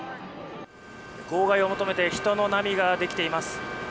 号外を求めて人の波が出ています。